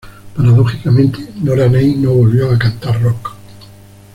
Paradójicamente Nora Ney no volvió a cantar rock.